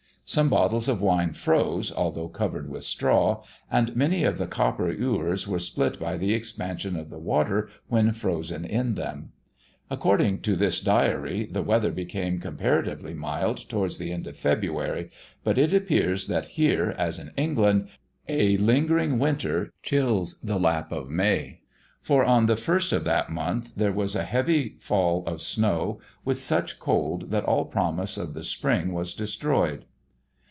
Some bottles of wine froze, although covered with straw, and many of the copper ewers were split by the expansion of the water when frozen in them. "According to this diary, the weather became comparatively mild towards the end of February; but it appears that here, as in England, 'A lingering winter chills the lap of May;' for, on the first of that month, there was a heavy fall of snow, with such cold that all promise of the spring was destroyed.